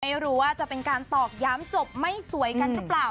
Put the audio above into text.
อย่างนั้นจะเป็นการตอบย้ำจบไม่สวยกันรึเปล่า